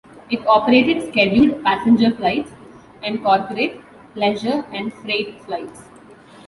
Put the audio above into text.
It operated scheduled passenger flights and corporate, pleasure and freight flights.